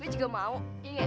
gue juga mau ya enggak